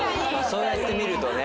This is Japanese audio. そうやって見るとね。